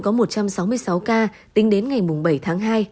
còn hà tĩnh có một trăm sáu mươi sáu ca tính đến ngày bảy tháng hai